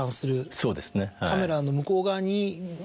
そうですね。